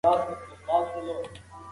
موږ باید د ژوند بېلابېلې سطحې وپېژنو.